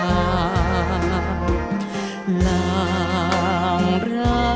จะใช้หรือไม่ใช้ครับ